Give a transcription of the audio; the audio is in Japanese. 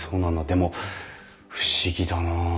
でも不思議だな。